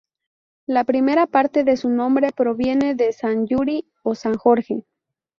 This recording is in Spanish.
La primera parte de su nombre proviene de san Yuri o san Jorge.